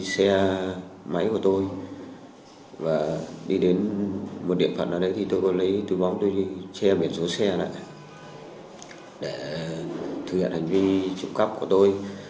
xe máy của tôi và đi đến một địa phận ở đấy thì tôi có lấy túi bóng tôi đi che miền số xe lại để thực hiện hành vi trộm cắp của tôi